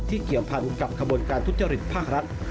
เกี่ยวพันกับขบวนการทุจริตภาครัฐ